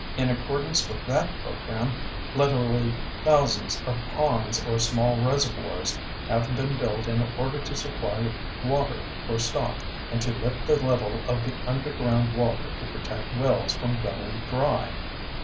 In accordance with that program literally thousands of ponds or small reservoirs have been built in order to supply water for stock and to lift the level of the underground water to protect wells from going dry.